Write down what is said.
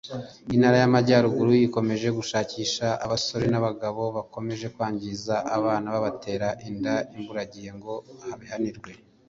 Intara y’Amajyaruguru ikomeje gushakisha abasore n’abagabo bakomeje kwangiza abana babatera inda imburagihe ngo babihanirwe